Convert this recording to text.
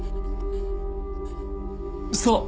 そう！